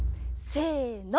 せの。